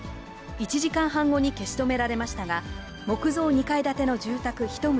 １時間半後に消し止められましたが、木造２階建ての住宅１棟